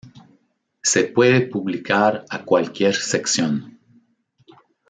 Se puede publicar a cualquier sección.